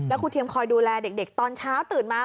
ครูเทียมคอยดูแลเด็กตอนเช้าตื่นมา